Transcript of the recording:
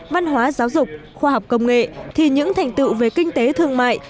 văn hóa giáo dục khoa học công nghệ thì những thành tựu về kinh tế thương mại